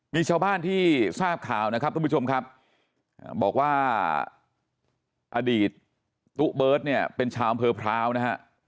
มีชาวบ้านที่ทราบข่าวนะครับทุกผู้ชมครับบอกว่าอดีตตุ๊เบิร์ตเนี่ยเป็นชาวอำเภอพร้าวนะฮะ